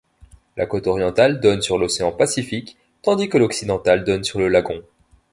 La côte orientale donne sur l'océan Pacifique tandis que l'occidentale donne sur le lagon.